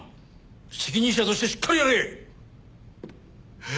責任者としてしっかりやれ！ええ！？